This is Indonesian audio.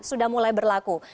sudah mulai berlaku